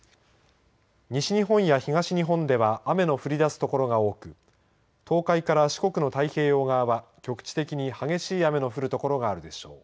西日本や東日本では雨の降り出す所が多く東海から四国の太平洋側は局地的に激しい雨の降る所があるでしょう。